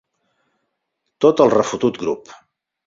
Tot el refotut grup.